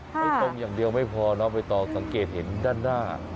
ตรงอย่างเดียวไม่พอนะประตอบสังเกตเห็นด้านหน้า